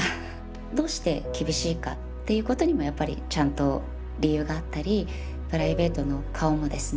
どうして厳しいかっていうことにもやっぱりちゃんと理由があったりプライベートの顔もですね